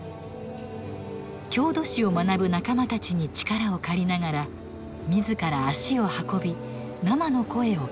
郷土史を学ぶ仲間たちに力を借りながら自ら足を運び生の声を聞く。